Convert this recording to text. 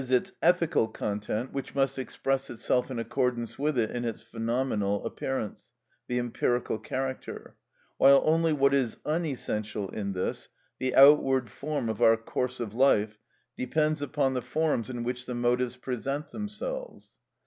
_, its ethical content, which must express itself in accordance with it in its phenomenal appearance, the empirical character; while only what is unessential in this, the outward form of our course of life, depends upon the forms in which the motives present themselves.